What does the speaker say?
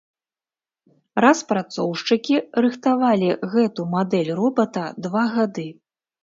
Распрацоўшчыкі рыхтавалі гэту мадэль робата два гады.